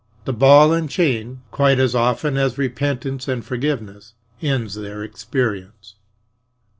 The ball and chain, quite as often as repentance and forgiveness, ends their experience.